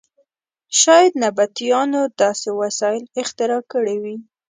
شاید نبطیانو داسې وسایل اختراع کړي وي.